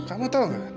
kamu tau gak